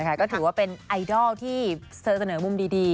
ก็ถือว่าเป็นไอดอลที่เสนอมุมดี